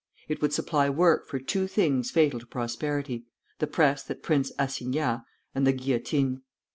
It would supply work for two things fatal to prosperity, the press that prints assignats, and the guillotine.